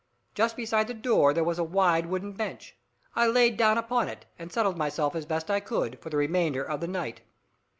Just beside the door there was a wide wooden bench. I lay down upon it, and settled myself, as best I could, for the remainder of the night.